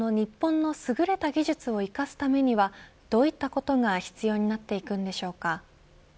その日本の優れた技術を生かすためにはどういったことが必要になっていくんでしょうか。